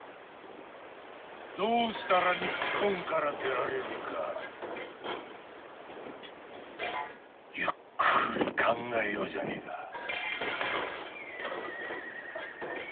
どうしたら日本から出られるかゆっくり考えようじゃねえか。